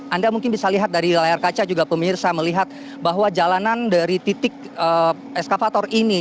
anda mungkin bisa lihat dari layar kaca juga pemirsa melihat bahwa jalanan dari titik eskavator ini